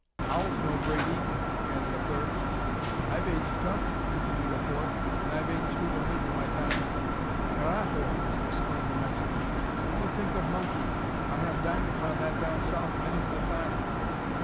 "Owl's no great eatin'," added a third. "I've ate skunk," continued a fourth; "an' I've ate sweeter meat in my time." "Carrajo!" exclaimed a Mexican, "what do you think of monkey? I have dined upon that down south many's the time."